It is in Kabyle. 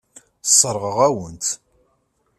Sseṛɣeɣ-awen-tt.